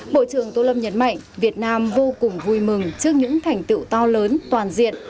bộ trưởng tô lâm nhấn mạnh việt nam vô cùng vui mừng trước những thành tựu to lớn toàn diện